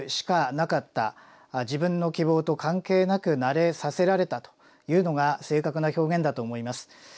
自分の希望と関係なく慣れさせられたというのが正確な表現だと思います。